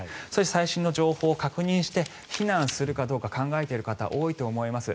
最新の情報を確認して避難するかどうか考えている方は多いと思います。